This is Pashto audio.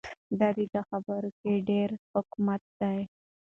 د ده په خبرو کې ډېر حکمت دی.